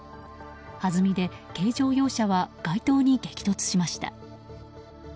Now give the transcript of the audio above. はずみで軽乗用車は街灯に激突しました。